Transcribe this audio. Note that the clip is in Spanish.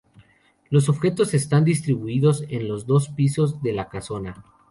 Los objetos están distribuidos en los dos pisos de la casona.